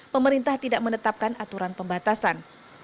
pemerintah tidak menetapkan aturan pembatasan